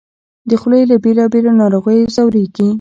د خولې له بېلابېلو ناروغیو ځورېږي